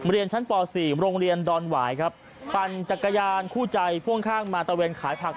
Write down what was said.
เรียนชั้นป๔โรงเรียนดอนหวายครับปั่นจักรยานคู่ใจพ่วงข้างมาตะเวนขายผัก